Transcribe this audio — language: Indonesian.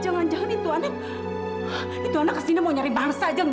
jangan jangan itu anak ke sini mau nyari bangsa jangan